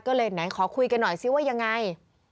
ก็เลยไหนขอคุยกันหน่อยซิว่ายังไง